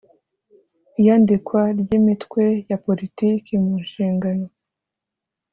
Iyandikwa ry imitwe ya politiki mu nshingano